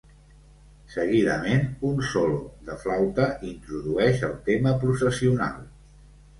Seguidament un solo de flauta introdueix el tema processional.